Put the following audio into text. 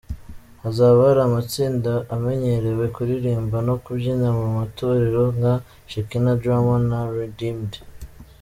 Hazaba hari amatsinda amenyerewe kuririmba no kubyina mu matorero nka Shekinah Drama na Redeemed.